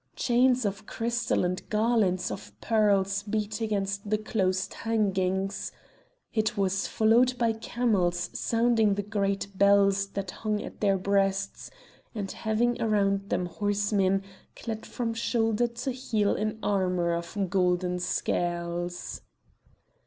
Chains of crystal and garlands of pearls beat against the closed hangings. It was followed by camels sounding the great bells that hung at their breasts, and having around them horsemen clad from shoulder to heel in armour of golden scales.